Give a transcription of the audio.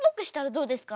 こうですか？